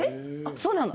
そうなの。